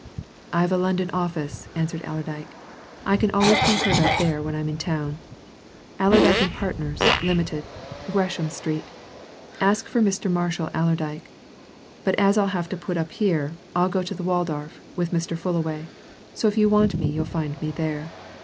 "I've a London office," answered Allerdyke. "I can always be heard of there when I'm in town. Allerdyke and Partners, Limited, Gresham Street ask for Mr. Marshall Allerdyke. But as I'll have to put up here, I'll go to the Waldorf, with Mr. Fullaway, so if you want me you'll find me there.